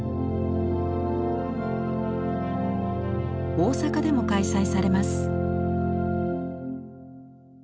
大阪でも開催されます。